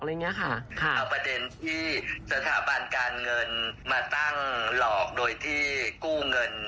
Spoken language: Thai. เอาประเด็นที่สถาบันการเงินมาตั้งหลอกโดยที่กู้เงิน